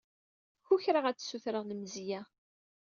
Kukraɣ ad as-ssutreɣ lemzeyya.